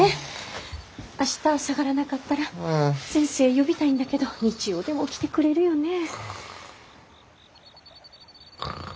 明日下がらなかったら先生呼びたいんだけど日曜でも来てくれるよね。